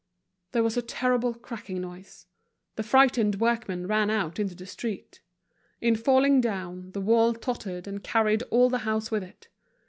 There was a terrible cracking noise. The frightened workmen ran out into the street. In falling down, the wall tottered and carried all the house with it.